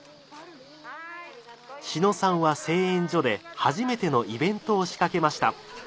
志野さんは製塩所で初めてのイベントを仕掛けました。